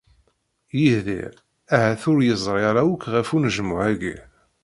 Yidir ahat ur yeẓri ara akk ɣef unejmuɛ-agi.